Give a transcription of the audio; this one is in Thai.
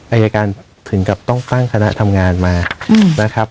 อายการถึงกับต้องตั้งคณะทำงานมานะครับ